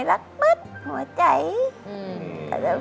รักอรรมดบตไจเนี่ย